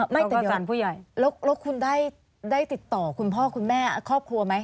ไม่ตัดยอดแล้วคุณได้ติดต่อคุณพ่อคุณแม่ครอบครัวไหม